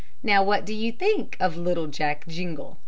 Now what do you think of little Jack Jingle?